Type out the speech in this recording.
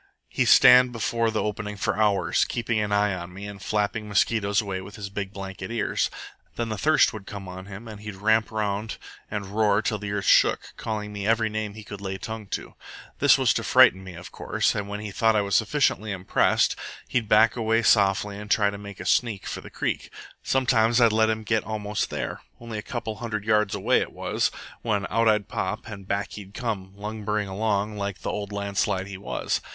He'd stand before the opening for hours, keeping an eye on me and flapping mosquitoes away with his big blanket ears. Then the thirst would come on him and he'd ramp round and roar till the earth shook, calling me every name he could lay tongue to. This was to frighten me, of course; and when he thought I was sufficiently impressed, he'd back away softly and try to make a sneak for the creek. Sometimes I'd let him get almost there only a couple of hundred yards away it was when out I'd pop and back he'd come, lumbering along like the old landslide he was.